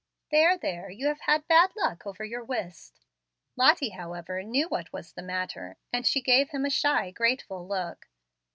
"There, there, you have had bad luck over your whist." Lottie, however, knew what was the matter, and she gave him a shy, grateful look.